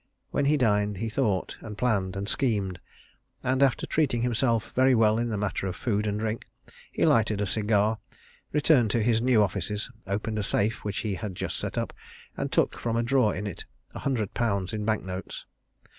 When he dined, he thought, and planned, and schemed and after treating himself very well in the matter of food and drink, he lighted a cigar, returned to his new offices, opened a safe which he had just set up, and took from a drawer in it a hundred pounds in bank notes.